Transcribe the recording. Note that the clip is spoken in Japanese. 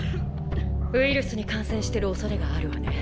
ウイルスに感染してるおそれがあるわね。